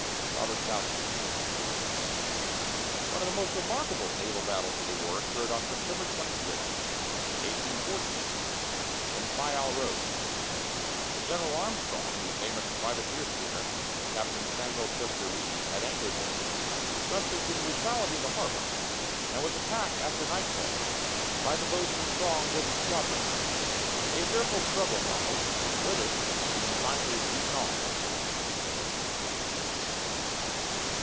ROBERT SOUTHEY. One of the most remarkable naval battles of the war occurred on September 26, 1814, in Fayal Roads. The General Armstrong, the famous privateer schooner, Captain Samuel Chester Reid, had anchored there, trusting to the neutrality of the harbor, and was attacked after nightfall by the boats of a strong British squadron. A fearful struggle followed, the British being finally beaten off.